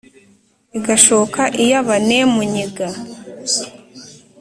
igashoka iy' abénemúnyiga